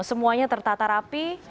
semuanya tertata rapi